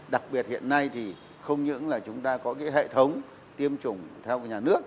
đặc biệt hiện nay thì không những là chúng ta có cái hệ thống tiêm chủng theo nhà nước